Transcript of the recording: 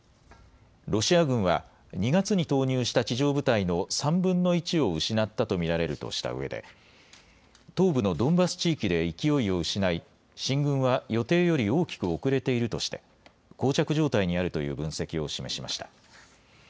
ロシア軍は２月に投入した地上部隊の３分の１を失ったと見られるとしたうえで東部のドンバス地域で勢いを失い進軍は予定より大きく遅れているとして、こう着状態にあるという分析を示しました。